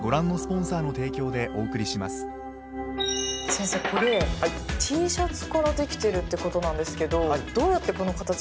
先生これＴシャツからできてるってことなんですけどどうやってこの形になってるんですか。